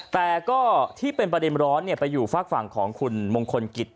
แต่ก็ที่เป็นประเด็นร้อนไปอยู่ฝากฝั่งของคุณมงคลกิจ